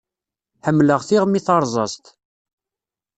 Ḥemmleɣ tiɣmi tarẓazt.